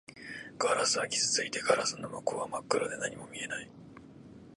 ガラスは傷ついていて、ガラスの向こうは真っ暗で何もない